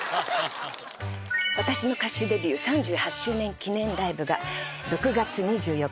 私の歌手デビュー３８周年記念ライブが６月２４日